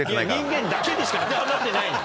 人間だけにしか当てはまってない。